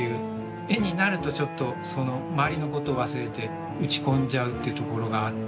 絵になるとちょっとその周りのこと忘れて打ち込んじゃうっていうところがあって。